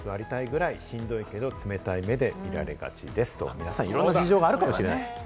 皆さんいろんな事情があるかもしれない。